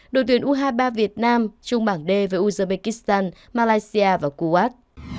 đội tuyển u hai mươi ba việt nam chung bảng đê với uzbekistan malaysia và kuwait